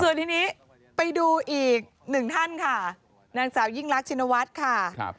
ส่วนทีนี้ไปดูอีกหนึ่งท่านค่ะนางสาวยิ่งรักชินวัฒน์ค่ะ